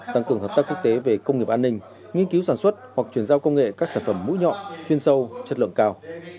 tăng cường hợp tác quốc tế về công nghiệp an ninh nghiên cứu sản xuất hoặc chuyển giao công nghệ các sản phẩm mũi nhọn chuyên sâu chất lượng cao